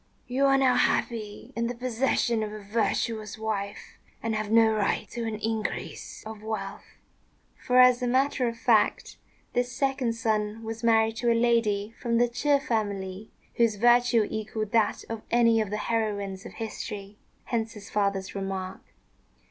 You are now happy in the possession of a virtuous wife, and have no right to an increase of wealth." For, as a matter of fact, this second son was married to a lady from the Ch'ê family whose virtue equalled that of any of the heroines of history: hence his father's remark.